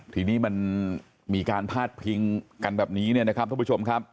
ทีนี้มันมีการพาดพิงกันแบบนี้เนี่ยนะครับทุกผู้ชมครับ